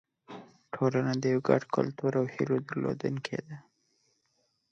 ټولنه د یو ګډ کلتور او هیلو درلودونکې ده.